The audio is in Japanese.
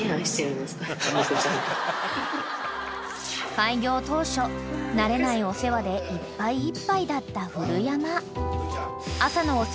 ［開業当初慣れないお世話でいっぱいいっぱいだった古山］